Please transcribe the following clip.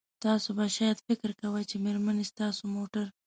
تاسو به شاید فکر کوئ چې میرمنې ستاسو موټر